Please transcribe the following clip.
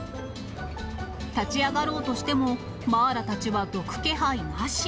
立ち上がろうとしても、マーラたちはどく気配なし。